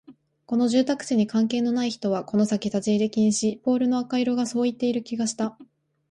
この住宅地に関係のない人はこの先立ち入り禁止、ポールの赤色がそう言っている気がした